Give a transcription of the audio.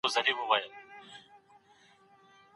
اسلام د ملکیت او ژوند حقونو ساتونکی دی.